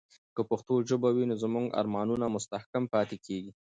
که پښتو ژبه وي، نو زموږ ارمانونه مستحکم پاتې کیږي.